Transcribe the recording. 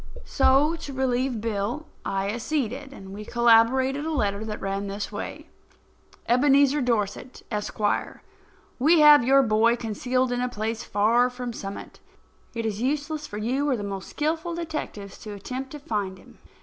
So, to relieve Bill, I acceded, and we collaborated a letter that ran this way: Ebenezer Dorset, Esq.: We have your boy concealed in a place far from Summit. It is useless for you or the most skilful detectives to attempt to find him.